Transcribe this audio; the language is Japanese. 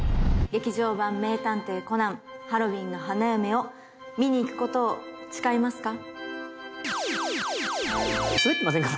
劇場版『名探偵コナンハロウィンの花嫁』を見に行くことを誓いますか？